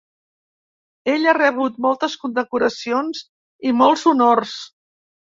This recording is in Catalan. Ell ha rebut moltes condecoracions i molts honors.